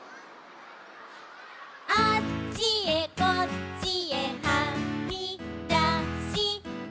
「あっちへこっちへはみだした」